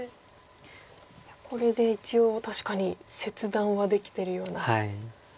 これで一応確かに切断はできてるような。